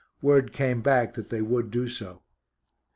Word came back that they would do so.